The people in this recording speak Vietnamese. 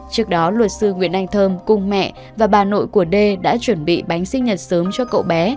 trước đó luật sư nguyễn anh thơm cùng mẹ và bà nội của đê đã chuẩn bị bánh sinh nhật sớm cho cậu bé